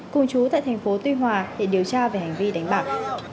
cùng chú tại tp tuy hòa để điều tra về hành vi đánh bạc